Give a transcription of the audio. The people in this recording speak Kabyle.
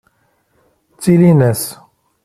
Ttilin-as.